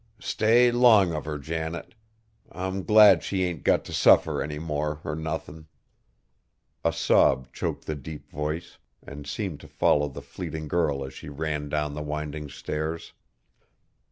Stay 'long of her, Janet. I'm glad she ain't got t' suffer any more, or nothin'!" A sob choked the deep voice and seemed to follow the fleeing girl as she ran down the winding stairs.